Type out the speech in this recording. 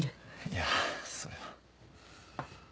いやあそれは。